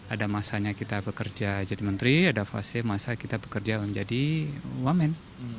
ada masanya kita bekerja jadi menteri ada fase masa kita bekerja menjadi wamen